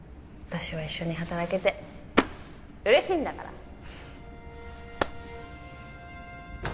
私は一緒に働けて嬉しいんだから！